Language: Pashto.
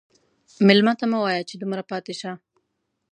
مېلمه ته مه وایه چې دومره پاتې شه.